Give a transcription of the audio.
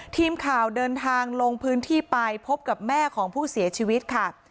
ทีมข่าวเดินทางลงพื้นที่ไปพบกับแม่ของผู้เสียชีวิตค่ะ